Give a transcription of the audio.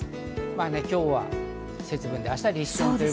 今日は節分で、明日は立春。